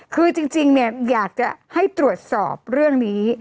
คือจริงอยากจะให้ตรวจสอบเรื่องนี้